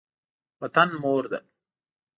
وطن مور ده.